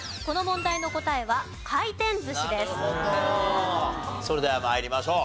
この問題の答えは回転寿司です。